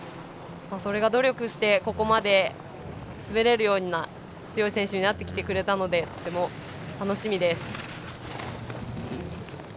それが努力してここまで滑れるような強い選手になってくれたのでとても楽しみです。